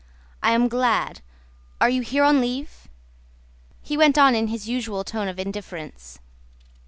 "I am glad.... Are you here on leave?" he went on in his usual tone of indifference.